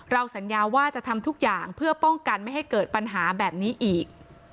สัญญาว่าจะทำทุกอย่างเพื่อป้องกันไม่ให้เกิดปัญหาแบบนี้อีก